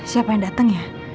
siapa yang dateng ya